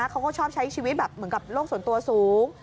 เขาก็ชอบใช้ชีวิตแบบเหมือนกับโลกส่วนตัวสูง